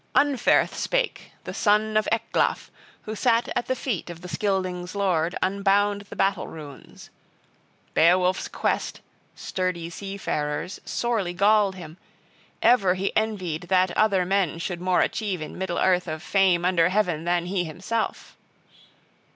VIII UNFERTH spake, the son of Ecglaf, who sat at the feet of the Scyldings' lord, unbound the battle runes. {8a} Beowulf's quest, sturdy seafarer's, sorely galled him; ever he envied that other men should more achieve in middle earth of fame under heaven than he himself.